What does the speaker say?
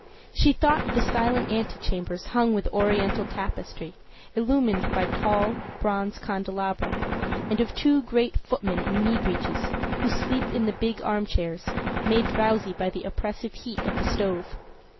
She thought of silent antechambers hung with Oriental tapestry, illumined by tall bronze candelabra, and of two great footmen in knee breeches who sleep in the big armchairs, made drowsy by the oppressive heat of the stove.